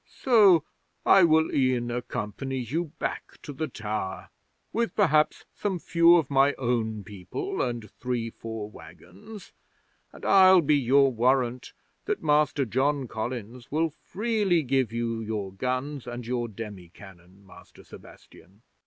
So I will e'en accompany you back to the tower with, perhaps, some few of my own people, and three four wagons, and I'll be your warrant that Master John Collins will freely give you your guns and your demi cannon, Master Sebastian."